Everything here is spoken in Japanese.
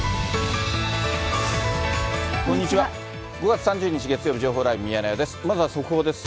５月３０日月曜日、情報ライブミヤネ屋です。